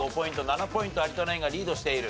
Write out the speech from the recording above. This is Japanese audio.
７ポイント有田ナインがリードしている。